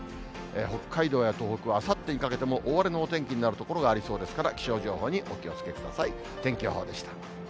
北海道や東北はあさってにかけても大荒れのお天気になる所がありそうですから、気象情報にお気をつけください。